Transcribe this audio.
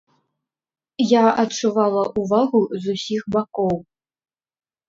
Я адчувала ўвагу з усіх бакоў!